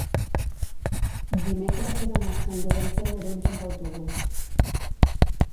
dimecres he d'anar a Sant Llorenç de Morunys amb autobús.